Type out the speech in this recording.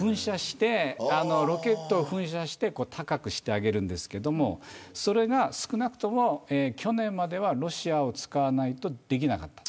ロケットを噴射して高くしてあげるんですけれどそれが少なくとも去年まではロシアを使わないとできなかった。